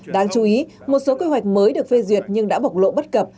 đáng chú ý một số quy hoạch mới được phê duyệt nhưng đã bộc lộ bất cập